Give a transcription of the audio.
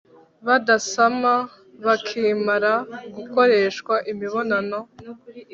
badasama bakimara gukoreshwa imibonano